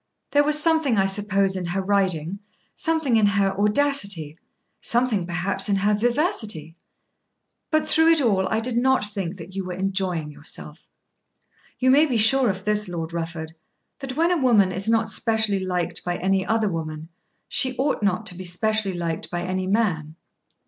There was something I suppose in her riding, something in her audacity, something perhaps in her vivacity; but through it all I did not think that you were enjoying yourself. You may be sure of this, Lord Rufford, that when a woman is not specially liked by any other woman, she ought not to be specially liked by any man.